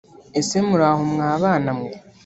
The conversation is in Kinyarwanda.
ese muraho mwa bana mwe